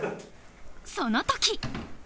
その時